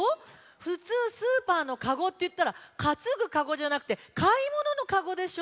ふつうスーパーのかごっていったらかつぐかごじゃなくてかいもののかごでしょ。